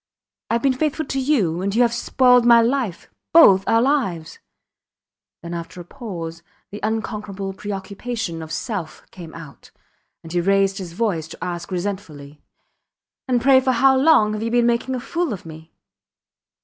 Ive been faithful to you and you have spoiled my life both our lives ... Then after a pause the unconquerable preoccupation of self came out, and he raised his voice to ask resentfully, And, pray, for how long have you been making a fool of me?